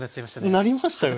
鳴りましたよね。